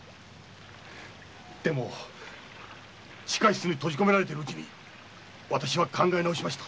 でも地下室に閉じ込められてるうちに私は考え直しました。